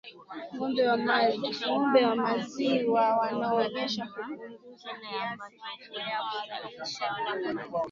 Ngombe wa maziwa wanaonyonyesha hupunguza kasi ya kuzalisha maziwa